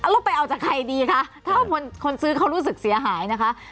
แล้วไปเอาจากใครดีคะถ้าคนซื้อเขารู้สึกเสียหายนะคะ